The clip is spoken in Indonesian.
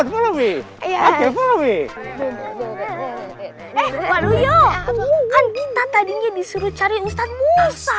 waduh yo kan kita tadinya disuruh cari ustadz musa